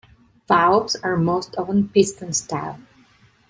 Valves are most often piston-style.